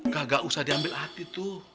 gak usah diambil hati tuh